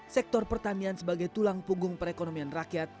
sektor pertanian sebagai tulang punggung perekonomian rakyat